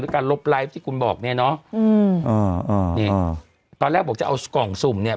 การลบไลฟ์ที่คุณบอกเนี้ยเนอะอืมอ่าอ่านี่ตอนแรกบอกจะเอากล่องสุ่มเนี่ย